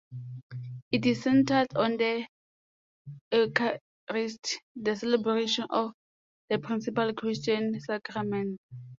It is centred on the Eucharist, the celebration of the principal Christian sacrament.